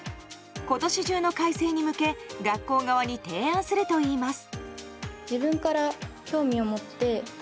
今年中の改正に向け学校側に提案するといいます。